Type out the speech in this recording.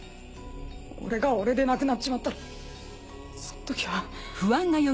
俺が俺でなくなっちまったらそんときは。